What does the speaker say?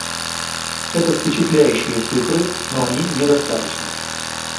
Это впечатляющие цифры, но они недостаточны.